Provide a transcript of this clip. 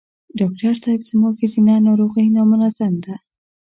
ډاکټر صېب زما ښځېنه ناروغی نامنظم ده